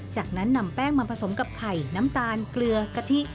จากนั้นนำแป้งมาผสมกับไข่น้ำตาลเกลือกะทิ